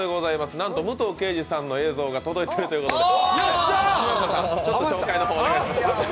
なんと武藤敬司さんの映像が届いているということです。